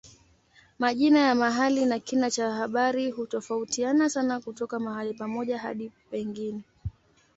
Majina ya mahali na kina cha habari hutofautiana sana kutoka mahali pamoja hadi pengine.